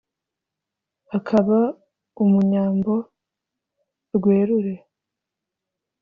Akaba Umunyambo rwerure :